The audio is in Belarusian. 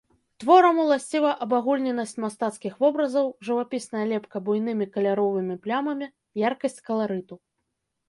Творам уласціва абагульненасць мастацкіх вобразаў, жывапісная лепка буйнымі каляровымі плямамі, яркасць каларыту.